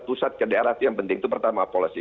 pusat ke daerah itu yang penting itu pertama policy